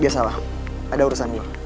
dia salah ada urusan dulu